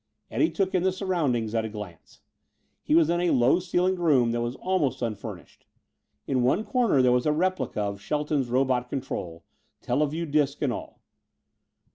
Eddie took in the surroundings at a glance. He was in a low ceilinged room that was almost unfurnished. In one corner there was a replica of Shelton's robot control, teleview disc and all.